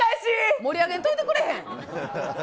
盛り上げんといてくれへん？